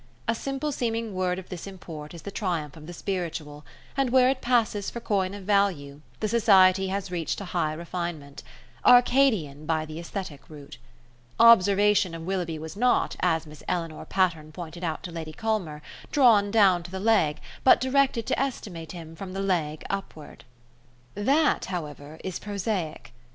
A simple seeming word of this import is the triumph of the spiritual, and where it passes for coin of value, the society has reached a high refinement: Arcadian by the aesthetic route. Observation of Willoughby was not, as Miss Eleanor Patterne pointed out to Lady Culmer, drawn down to the leg, but directed to estimate him from the leg upward. That, however, is prosaic.